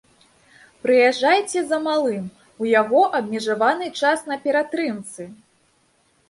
Прыязджайце за малым, у яго абмежаваны час на ператрымцы!